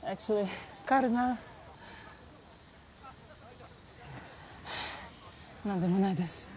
カルナ何でもないです